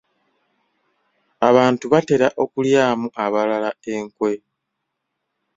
Abantu batera okulyamu abalala enkwe.